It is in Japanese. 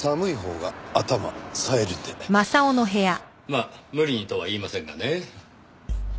まあ無理にとは言いませんがねぇ。